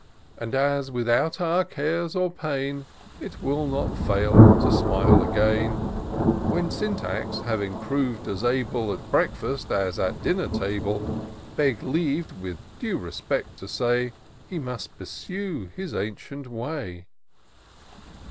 And as, without our care or pain, It will not fail to smile again ; When Syntax, having proved as able At breakfast, as at dinner table, Begg'd leave, with due respect, to say He must pursue his anxious way.